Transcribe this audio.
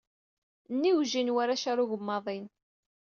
Nniwjin warrac ɣer ugemmaḍin.